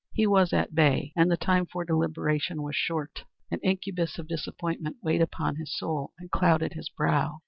He was at bay, and the time for deliberation was short. An incubus of disappointment weighed upon his soul and clouded his brow.